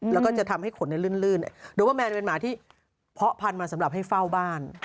แล้วก็จะทำให้ขนลื่นโดยว่าแมนเป็นหมาที่เพาะพันธุ์มาสำหรับให้เฝ้าบ้าน